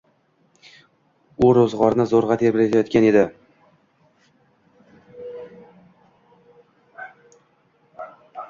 U roʻzgʻorni zoʻrgʻa tebratayotgan edi.